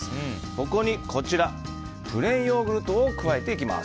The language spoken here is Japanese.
ここに、プレーンヨーグルトを加えていきます。